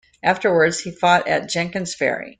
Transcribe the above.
Afterwards he fought at Jenkin's Ferry.